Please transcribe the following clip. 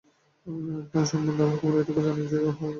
প্রাণ-সম্বন্ধে আমরা কেবল এইটুকু জানি যে, উহা গতি বা স্পন্দন।